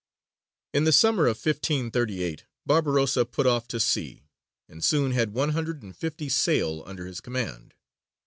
In the summer of 1538, Barbarossa put off to sea, and soon had one hundred and fifty sail under his command.